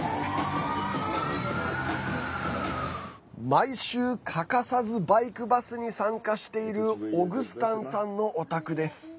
毎週、欠かさずバイクバスに参加しているオグスタンさんのお宅です。